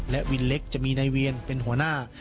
และวินเล็กจะมีนายเวียนเป็นหัวหน้า